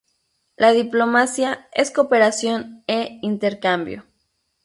La diplomacia es cooperación e intercambio.